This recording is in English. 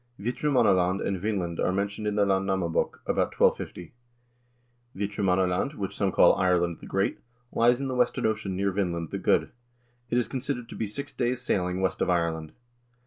3 Hvitramannaland and Vinland are mentioned in the "Landnama bok" about 1250. "Hvitramannaland, which some call Ireland the Great, lies in the western ocean near Vinland the Good. It is considered to be six days' sailing west of Ireland."